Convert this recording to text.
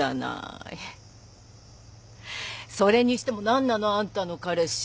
それにしても何なの？あんたの彼氏。